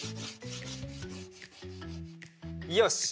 よし！